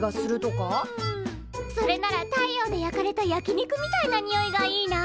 それなら太陽で焼かれた焼き肉みたいなにおいがいいな。